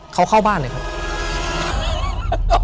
เขาเข้าบ้านเลยครับ